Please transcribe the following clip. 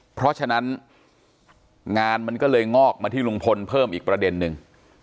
เพราะฉะนั้นงานมันก็เลยงอกมาที่ลุงพลเพิ่มอีกประเด็นนึง